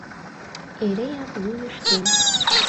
— Эреак вуйыштем!